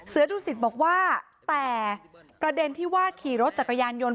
ดูสิตบอกว่าแต่ประเด็นที่ว่าขี่รถจักรยานยนต์